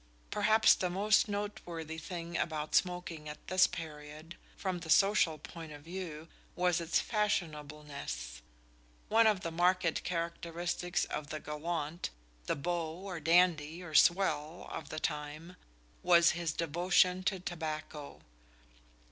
Perhaps the most noteworthy thing about smoking at this period, from the social point of view, was its fashionableness. One of the marked characteristics of the gallant the beau or dandy or "swell" of the time was his devotion to tobacco.